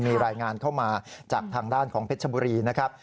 มีรายงานเข้ามาจากทางด้านของเพชรชบุรีนะครับ